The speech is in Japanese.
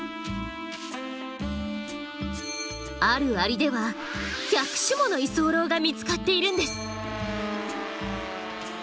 あるアリでは１００種もの居候が見つかっているんです。